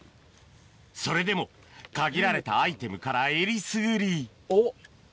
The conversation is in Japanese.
それでも限られたアイテムからえりすぐりおっ！